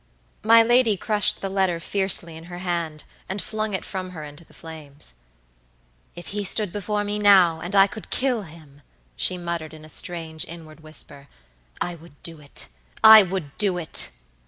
My lady crushed the letter fiercely in her hand, and flung it from her into the flames. "If he stood before me now, and I could kill him," she muttered in a strange, inward whisper, "I would do itI would do it!"